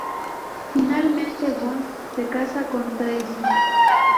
Finalmente, Bond se casa con Tracy.